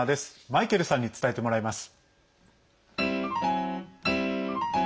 マイケルさんに伝えてもらいます。